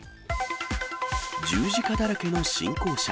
十字架だらけの新校舎。